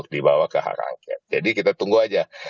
dibawa ke hak angket jadi kita tunggu aja